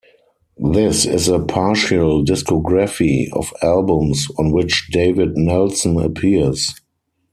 This is a partial discography of albums on which David Nelson appears.